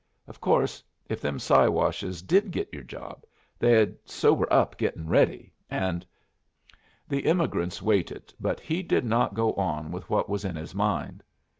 Of course, if them Siwashes did git your job, they'd sober up gittin' ready. And " The emigrants waited, but he did not go on with what was in his mind.